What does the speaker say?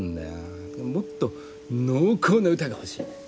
もっと濃厚な歌が欲しい。